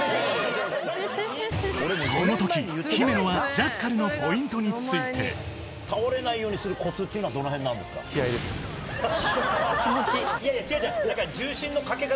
この時姫野はジャッカルのポイントについていやいや違う違う。